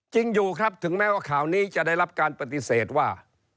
จริงอยู่ครับถึงแม้ว่าข่าวนี้จะได้รับการปฏิเสธว่า